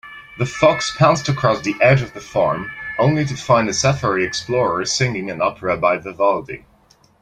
The fox pounced across the edge of the farm, only to find a safari explorer singing an opera by Vivaldi.